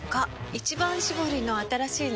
「一番搾り」の新しいの？